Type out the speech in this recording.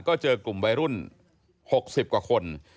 ก็เจอกลุ่มวัยรุ่น๖๐กว่าคน